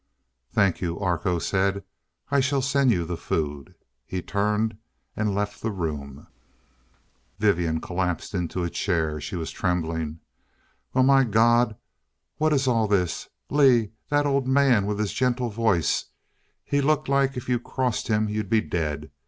"Thank you," Arkoh said. "I shall send you the food." He turned and left the room. Vivian collapsed into a chair. She was trembling. "Well my Gawd what is all this? Lee that old man with his gentle voice he looked like if you crossed him you'd be dead.